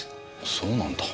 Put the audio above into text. そうなんだ。